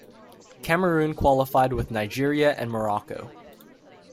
Cameroon qualified with Nigeria and Morocco.